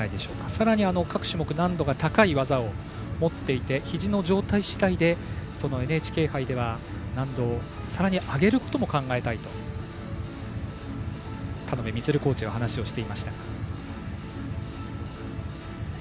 さらに、各種目難度が高い技を持っていてひじの状態しだいでそのＮＨＫ杯では難度をさらに上げることも考えたいと田野辺満コーチが話していました。